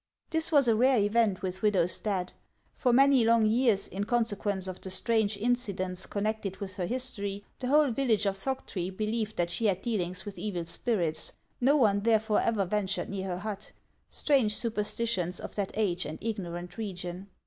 This was a rare event with Widow Stadt. For many long years, in consequence of the strange incidents connected with her history, the whole village of Thoctree believed that she had dealings with evil spirits ; no one therefore ever ventured near her hut, — strange superstitions of that age and ignorant region